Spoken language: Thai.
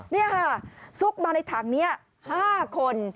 นี่ค่ะซุกมาในถังนี้๕คน